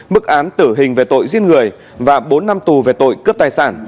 mức án tử hình về tội giết người và bốn năm tù về tội cướp tài sản